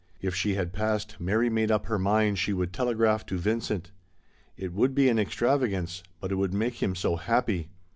If she had passed, Mary made up her mind she would telegraph to Vincent. It would be an extravagance, but it would make him so happy.